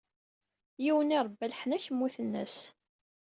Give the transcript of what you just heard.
Yiwen irebba leḥnak, mmuten-as.